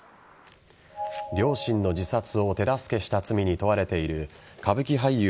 両親の自殺を手助けした罪に問われている歌舞伎俳優